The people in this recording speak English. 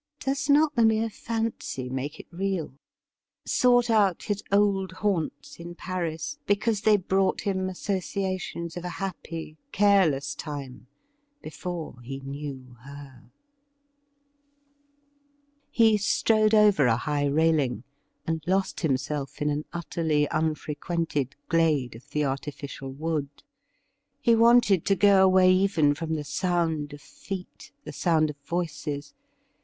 does not the mere fancy make it real ?— sought out his old haunts in Paris because they brought him associations of a happy, cai'eless time before he knew her. JIM CONRAD'S FIND 6 He strode over a high railing, and lost himself in an utterly unfrequented glade of the artificial wood. He wanted to go away even from the sound of feet, the sound of voices.